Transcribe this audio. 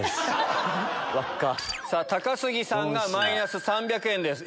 高杉さんがマイナス３００円です。